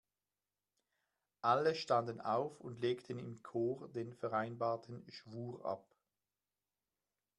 Alle standen auf und legten im Chor den vereinbarten Schwur ab.